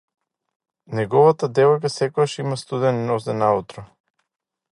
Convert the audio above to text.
Неговата девојка секогаш има студени нозе наутро.